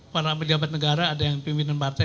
para pejabat negara ada yang pimpinan partai